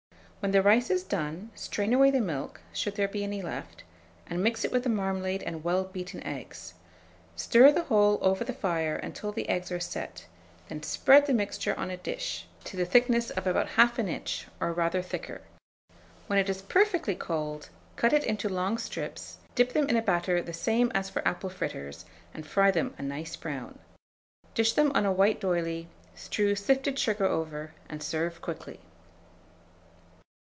When the rice is done, strain away the milk, should there be any left, and mix with it the marmalade and well beaten eggs; stir the whole over the fire until the eggs are set; then spread the mixture on a dish to the thickness of about 1/2 inch, or rather thicker. When it is perfectly cold, cut it into long strips, dip them in a batter the same as for apple fritters, and fry them a nice brown. Dish them on a white d'oyley, strew sifted sugar over, and serve quickly.